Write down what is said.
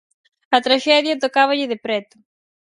A traxedia tocáballe de preto.